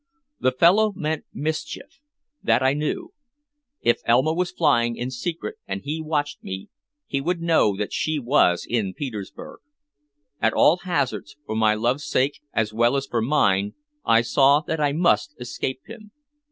The fellow meant mischief that I knew. If Elma was flying in secret and he watched me, he would know that she was in Petersburg. At all hazards, for my love's sake as well as for mine, I saw that I must escape him.